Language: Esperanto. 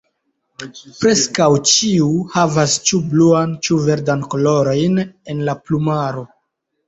Preskaŭ ĉiu havas ĉu bluan ĉu verdan kolorojn en la plumaro.